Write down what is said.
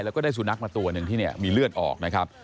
แล้วก็ได้สุนัขมาตัวหนึ่งที่เนี่ยมีเลือดออกนะครับ